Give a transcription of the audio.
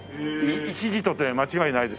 一字とて間違いないですよ。